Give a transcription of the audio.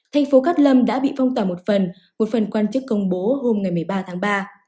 thành phố cát lâm đã bị phong tỏa một phần một phần quan chức công bố hôm một mươi ba tháng ba